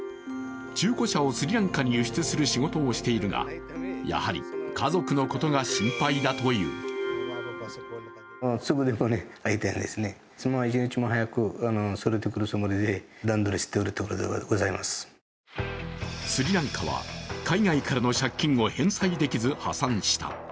中古車をスリランカに輸出する仕事をしているがやはり、家族のことが心配だというスリランカは海外からの借金を返済できず、破産した。